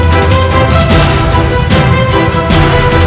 kepuatan berusaha terkongsi bowing ke alam